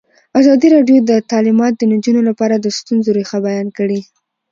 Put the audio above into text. ازادي راډیو د تعلیمات د نجونو لپاره د ستونزو رېښه بیان کړې.